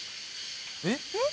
「えっ！？」